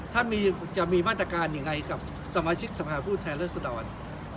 ท่านจะมีมาตรการยังไงกับสมาชิกสภาผู้แทนเลือดสะดอด